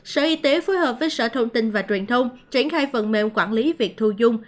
sở y tế phối hợp với sở thông tin và truyền thông triển khai phần mềm quản lý việc thu dung